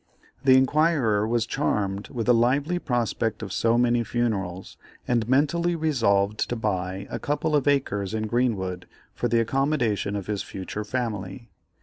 The inquirer was charmed with the lively prospect of so many funerals, and mentally resolved to buy a couple of acres in Greenwood for the accommodation of his future family.